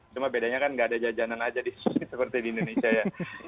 cuma bedanya kan nggak ada jajanan aja di sini seperti di indonesia ya